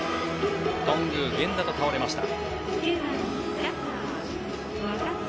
頓宮、源田と倒れました。